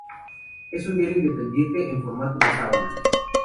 Es un diario independiente en formato sábana.